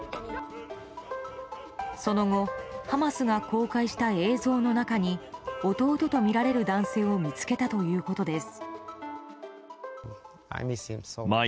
その後ハマスが公開した映像の中に弟とみられる男性を見つけたということです。